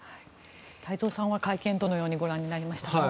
太蔵さんは会見どのようにご覧になりましたか。